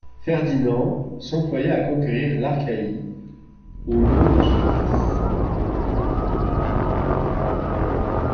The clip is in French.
Ferdinand s'employa à conquérir l'Achaïe au nom de son fils.